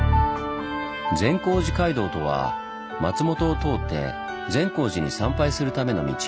「善光寺街道」とは松本を通って善光寺に参拝するための道。